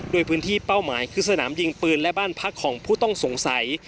โดยพื้นที่เป้าหมายคือสนามยิงปืนและบ้านพักของผู้ต้องสงสัย